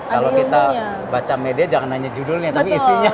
kalau kita baca media jangan hanya judulnya tapi isinya